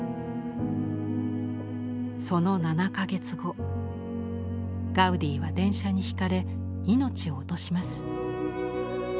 その７か月後ガウディは電車にひかれ命を落とします。